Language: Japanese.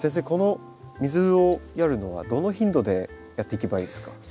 この水をやるのはどの頻度でやっていけばいいですか？